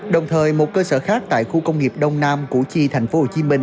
đồng thời một cơ sở khác tại khu công nghiệp đông nam củ chi tp hcm